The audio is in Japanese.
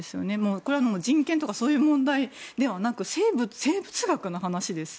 これは人権とかそういう問題ではなく生物学の話です。